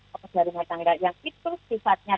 pekerja rumah tangga yang itu sifatnya